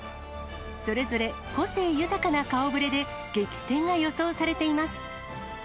それぞれ個性豊かな顔ぶれで、激戦が予想されています。